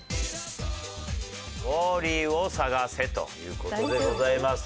ウォーリーを探せという事でございます。